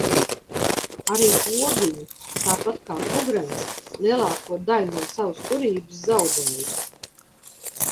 Arī Pogiņi, tāpat kā Kugrens, lielāko daļu no savas turības zaudēja.